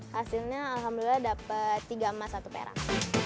hasilnya alhamdulillah dapat tiga emas satu perak